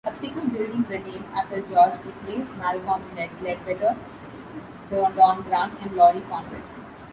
Subsequent buildings were named after George Uttley, Malcolm Leadbetter, Don Grant and Laurie Cornwell.